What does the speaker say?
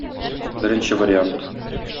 Беренче вариант.